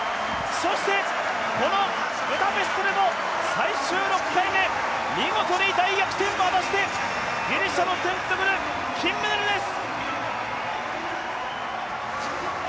そしてこのブダペストでも最終６回目、見事に大逆転を果たしてギリシャのテントグル、金メダルです。